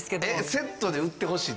セットで売ってほしいと。